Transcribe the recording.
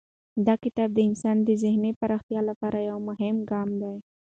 دا کتاب د انسان د ذهني پراختیا لپاره یو مهم ګام دی.